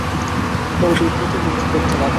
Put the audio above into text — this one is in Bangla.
বড় বিব্রত বোধ করতে লাগলাম!